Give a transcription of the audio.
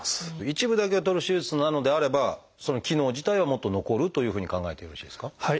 一部だけをとる手術なのであればその機能自体はもっと残るというふうに考えてよろしいですか？